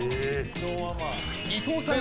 伊藤さん